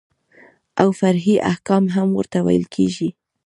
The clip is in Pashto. او فرعي احکام هم ورته ويل کېږي.